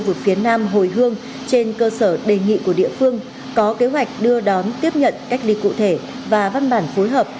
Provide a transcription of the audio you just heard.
cục hàng không việt nam hồi hương trên cơ sở đề nghị của địa phương có kế hoạch đưa đón tiếp nhận cách ly cụ thể và văn bản phối hợp